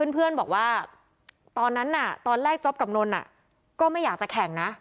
เพื่อนบอกว่าตอนนั้นน่ะตอนแรกจ๊อปกับนนก็ไม่อยากจะแข่งนะ